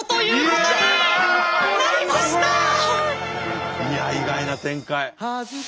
いや意外な展開。